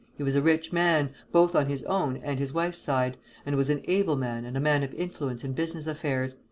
He was a rich man, both on his own and his wife's side, and was an able man and a man of influence in business affairs.